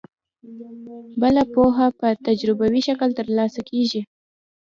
بله پوهه په تجربوي شکل ترلاسه کیږي.